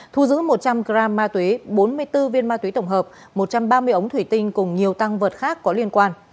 thu giữ một trăm linh g ma túy bốn mươi bốn viên ma túy tổng hợp một trăm ba mươi ống thủy tinh cùng nhiều tăng vật khác có liên quan